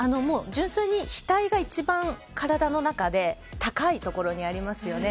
純粋に額が一番体の中で高いところにありますよね。